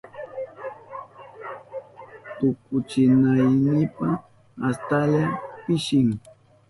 Tukuchinaynipa astalla pishin.